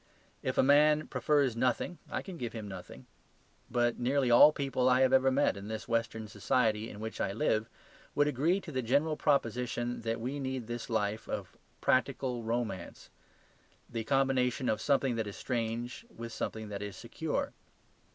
If a man prefers nothing I can give him nothing. But nearly all people I have ever met in this western society in which I live would agree to the general proposition that we need this life of practical romance; the combination of something that is strange with something that is secure.